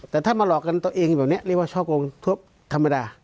แต่ถ้ามาหลอกกันตัวเองแบบนี้เรียกว่าช่อโกงธรรมดา